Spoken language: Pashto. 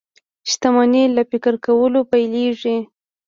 شتمني له فکر کولو پيلېږي.